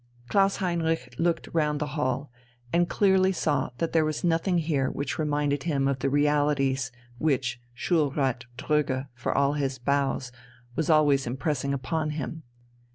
Klaus Heinrich looked round the hall, and clearly saw that there was nothing here which reminded him of the realities which Schulrat Dröge, for all his bows, was always impressing upon him.